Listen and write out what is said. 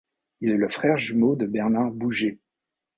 Il est le frère jumeau de Bernard Bouger.